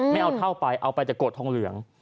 ไม่เอาเท่าไปเอาไปแต่โกรธทองเหลือง